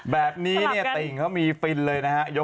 แบบอันนี้ตะเองเค้ามีฟิลเลยนะฮะหลังที่เตากั้น